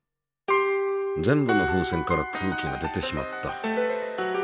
全部の風船から空気が出てしまった。